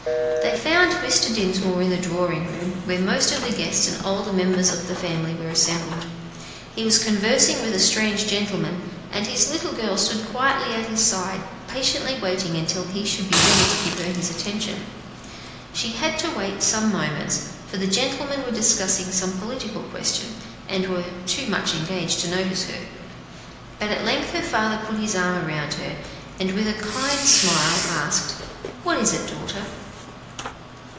They found Mr. Dinsmore in the drawing room, where most of the guests and the older members of the family were assembled. He was conversing with a strange gentleman, and his little girl stood quietly at his side, patiently waiting until he should be ready to give her his attention. She had to wait some moments, for the gentlemen were discussing some political question, and were too much engaged to notice her. But at length her father put his arm around her, and with a kind smile asked, "What is it, daughter?"